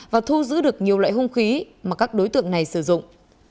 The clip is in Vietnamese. và thu giữ được nhiều loại hung khí mà các đối tượng này sử dụng